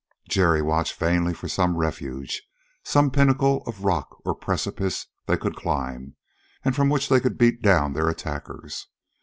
Jerry watched vainly for some refuge, some pinnacle of rock or precipice they could climb, and from which they could beat down their attackers.